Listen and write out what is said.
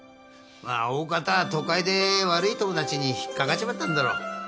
まあおおかた都会で悪い友達に引っ掛かっちまったんだろ。